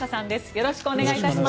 よろしくお願いします。